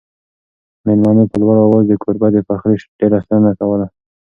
مېلمنو په لوړ اواز د کوربه د پخلي ډېره ستاینه کوله.